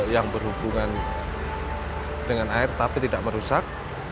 yang berhubungan dengan air tapi tidak merusak